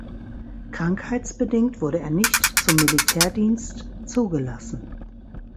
Krankheitsbedingt wurde er nicht zum Militärdienst zugelassen.